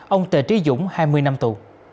ông tề trí dũng hai mươi năm tù